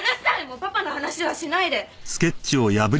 もうパパの話はしないで。